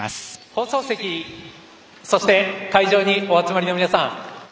放送席、そして会場にお集まりの皆さん